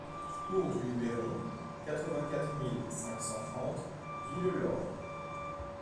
Cours du Luberon, quatre-vingt-quatre mille cinq cent trente Villelaure